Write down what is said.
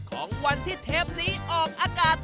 ของวันที่เทปนี้ออกอากาศ